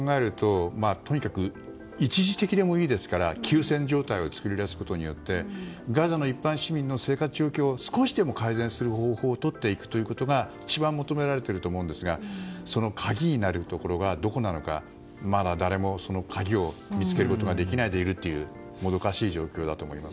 とにかく一時的でいいですから休戦状態を作り出すことでガザの一般市民の生活状況を改善する方法をとることが一番求められていると思うんですがその鍵になるところがどこなのか、まだ誰もその鍵を見つけることができないでいるもどかしい状況だと思います。